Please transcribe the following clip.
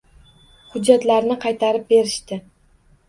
Hujjatlarni qaytarib berishdi